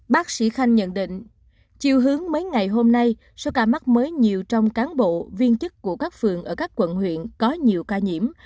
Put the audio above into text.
bác sĩ khanh nhận định chiều hướng mấy ngày hôm nay số ca mắc mới nhiều trong cán bộ viên chức của các phường ở các quận huyện có nhiều ca nhiễm